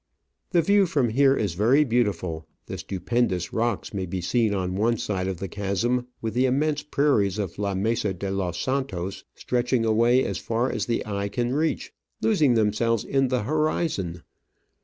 The view from here is very beautiful ; the stupendous rocks may be seen on one side of the chasm, with the immense prairies of La Mesa de Los Santos stretching away as far as the eye can reach, losing themselves in the horizon.